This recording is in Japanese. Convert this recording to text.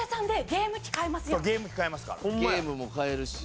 ゲームも買えるし。